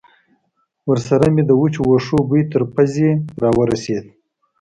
ورسره مې د وچو وښو بوی تر پوزې را ورسېد.